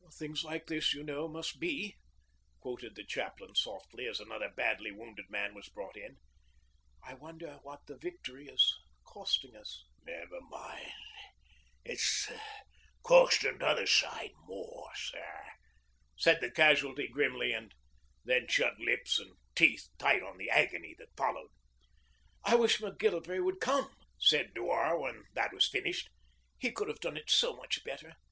'Things like this, you know, must be,' quoted the chaplain softly, as another badly wounded man was brought in. 'I wonder what the victory is costing us?' 'Never mind. It's costing t'other side more, sir,' said the casualty grimly, and then shut lips and teeth tight on the agony that followed. 'I wish Macgillivray would come,' said Dewar when that was finished. 'He could have done it so much better.